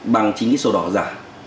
bằng chính cái sổ đỏ giả